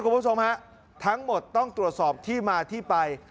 คุณผู้ชมฮะทั้งหมดต้องตรวจสอบที่มาที่ไป